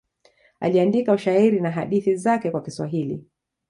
Aliandika ushairi na hadithi zake kwa Kiswahili.